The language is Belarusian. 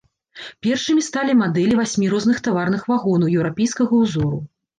Першымі сталі мадэлі васьмі розных таварных вагонаў еўрапейскага ўзору.